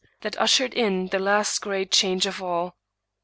that ushered in the last great change of all.